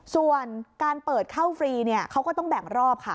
ส่วนการเปิดเข้าฟรีเขาก็ต้องแบ่งรอบค่ะ